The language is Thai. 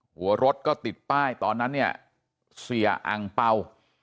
หัวรถก็ติดป้ายตอนนั้นเนี่ยเสียอังเป่า